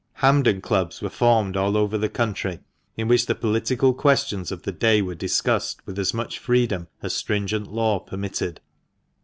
Hampden Clubs were formed all over the country, in which the political questions of the day were discussed with as much freedom as stringent law permitted.